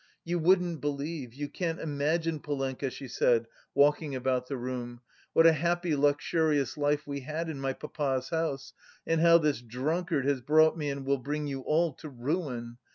"You wouldn't believe, you can't imagine, Polenka," she said, walking about the room, "what a happy luxurious life we had in my papa's house and how this drunkard has brought me, and will bring you all, to ruin!